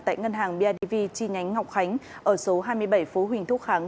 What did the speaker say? tại ngân hàng bidv chi nhánh ngọc khánh ở số hai mươi bảy phố huỳnh thúc kháng